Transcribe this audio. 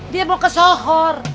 dia mau ke sohor